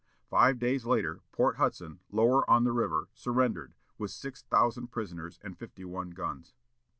Five days later, Port Hudson, lower on the river, surrendered, with six thousand prisoners and fifty one guns.